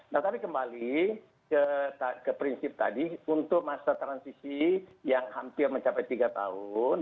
nah tapi kembali ke prinsip tadi untuk masa transisi yang hampir mencapai tiga tahun